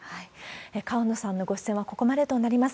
河野さんのご出演はここまでとなります。